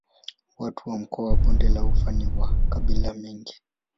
Watu wa mkoa wa Bonde la Ufa ni wa makabila mengi.